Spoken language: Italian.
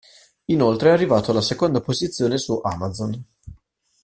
Inoltre è arrivato alla seconda posizione su Amazon.